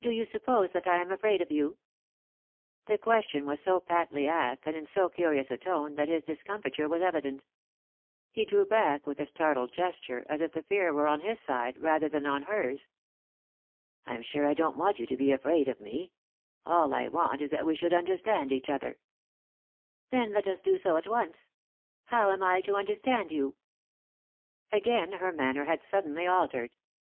"Do you suppose that I am afraid of you F" The question was so patly asked, and in so curious a tone, that his discomfiture was evident He drew back with a startled gesture, as if the fear were on his side rather than on hers. "I'm sure I don't want you to be afraid of "3 3i 9 iii^d by Google THE INTERRUPTED KISS me ; all I want is that we should understand each other." " Then let us do so at once. How am I to under stand you ?" Again her manner had suddenly altered.